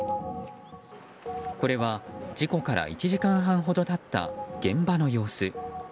これは、事故から１時間半ほど経った現場の様子。